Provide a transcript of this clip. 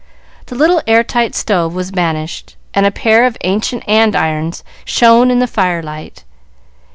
The little air tight stove was banished, and a pair of ancient andirons shone in the fire light.